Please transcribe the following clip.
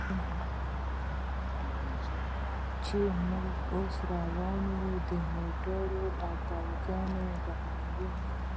چې موږ اوس روان و، د موټرو او پوځیانو ګڼه ګوڼه.